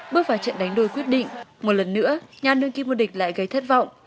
bước vào trận đánh đôi quyết định một lần nữa nhà đương kim vô địch lại gây thất vọng